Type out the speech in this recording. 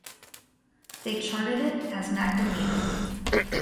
They charted it as "Magdalena".